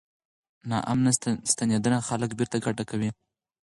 ناامنه ستنېدنه خلک بیرته کډه کوي.